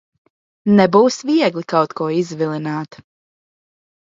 Nebūs viegli kaut ko izvilināt.